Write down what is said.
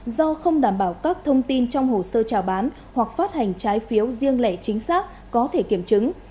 do không đảm bảo các thông tin trong hồ sơ trà bán hoặc phát hành trái phiếu riêng lẻ chính xác có thể kiểm chứng